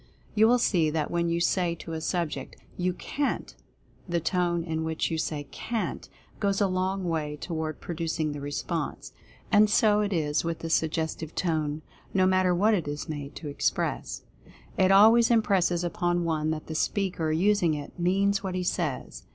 You will see that when you say to a subject, "You CAN'T," the tone in which you say "CAN'T" goes a long way toward producing the response. And so it is with the Sug 214 Mental Fascination gestive Tone, no matter what it is made to express. It always impresses upon one that the speaker using it means what he says.